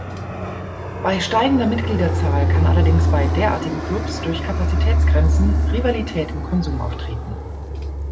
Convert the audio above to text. Bei steigender Mitgliederzahl kann allerdings bei derartigen Klubs durch Kapazitätsgrenzen Rivalität im Konsum auftreten.